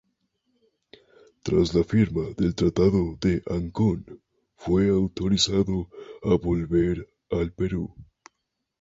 Tras la firma del Tratado de Ancón fue autorizado a volver al Perú.